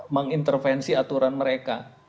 mengintervensi aturan mereka